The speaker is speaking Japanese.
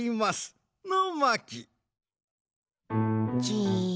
じ。